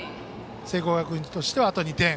聖光学院としては、あと２点。